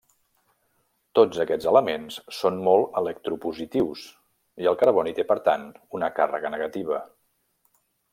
Tots aquests elements són molt electropositius i el carboni té per tant una càrrega negativa.